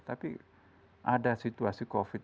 tapi ada situasi covid seperti ini